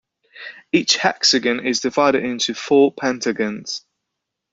Each hexagon is divided into four pentagons.